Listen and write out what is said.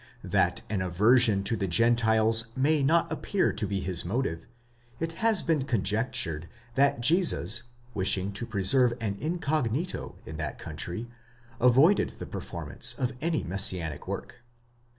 That an aversion to the Gentiles may not appear to be his motive, it has been conjectured 3 that Jesus, wishing to preserve an incognito in that country, avoided the performance of any messianic work.